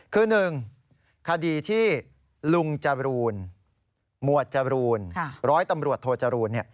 คือ๑คดีที่ลุงจรูนหมวดจรูนร้อยตำรวจโทจรูล